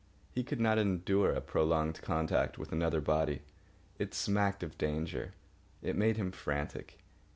He could not endure a prolonged contact with another body. It smacked of danger. It made him frantic.